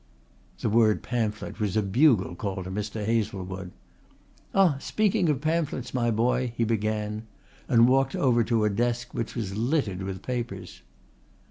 The word pamphlet was a bugle call to Mr. Hazlewood. "Ah! Speaking of pamphlets, my boy," he began, and walked over to a desk which was littered with papers.